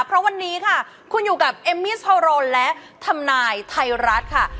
เพราะวันนี้ค่ะคุณอยู่กับเอมมี่โฮโรนและทำนายไทยรัฐค่ะ